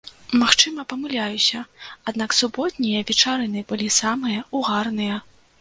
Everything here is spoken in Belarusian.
Магчыма, памыляюся, аднак суботнія вечарыны былі самыя ўгарныя.